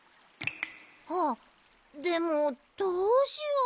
でもどうしよう。